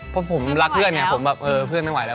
เพราะผมรักเพื่อนไงผมแบบเออเพื่อนไม่ไหวแล้ว